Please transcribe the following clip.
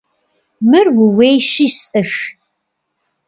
Мыр ууейщи, сӏых.